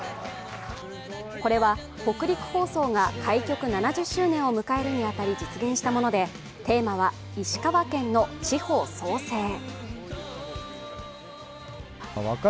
これは北陸放送が開局７０周年を迎えるに当たり実現したものでテーマは石川県の地方創生。